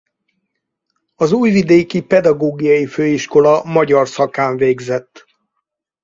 Az újvidéki pedagógiai főiskola magyar szakán végzett.